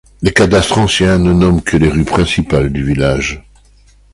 Les cadastres anciens ne nomment que les rues principales du village.